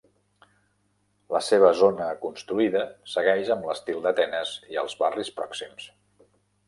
La seva zona construïda segueix amb l'estil d'Atenes i els barris pròxims.